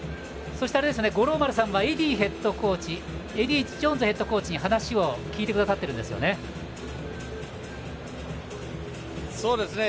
そして、五郎丸さんはエディー・ジョーンズヘッドコーチに話を聞いてくださっているんですよね。